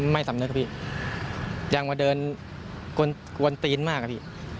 ไม่สำเนื้อครับพี่อย่างมาเดินกวนตีนมากครับพี่